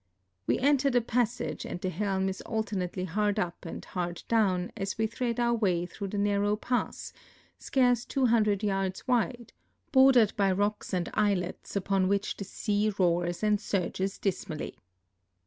We enter the passage, and the helm is alternatel}^ hard up and hard down as we thread our Wciy through the narrow pass, scarce 200 yards wide, bordered by rocks and islets, upon which the sea roars and surges dis mally.